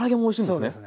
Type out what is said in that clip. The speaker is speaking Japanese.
そうですね。